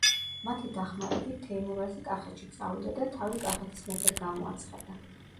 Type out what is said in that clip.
მათი დახმარებით თეიმურაზი კახეთში წავიდა და თავი კახეთის მეფედ გამოაცხადა.